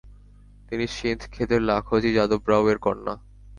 তিনি সিন্ধখেদের লাখুজি যাদব রাও এর কন্যা।